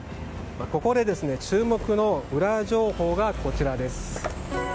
ここで注目のウラ情報がこちらです。